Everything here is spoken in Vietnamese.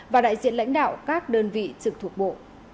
và đại diện lãnh đạo các đơn vị trực thuộc bộ